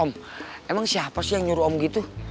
emang siapa sih yang nyuruh om gitu